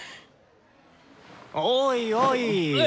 おいおい。